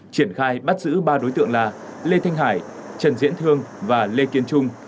triển khai bắt giữ ba đối tượng là lê thanh hải trần diễn thương và lê kiên trung